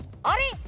あれ？